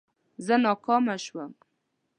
زه ناکامه شوم